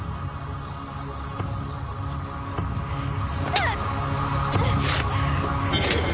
うっ！